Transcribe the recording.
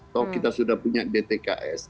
toh kita sudah punya dtks